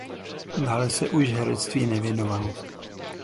Dále se už herectví nevěnoval.